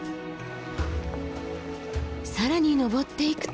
更に登っていくと。